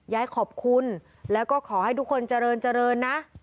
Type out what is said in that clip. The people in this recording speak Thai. ยายขอบคุณแล้วก็ขอให้ทุกคนเจริญเจริญนะ